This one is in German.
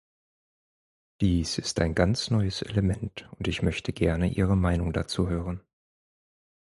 Dies ist ein ganz neues Element, und ich möchte gerne Ihre Meinung dazu hören.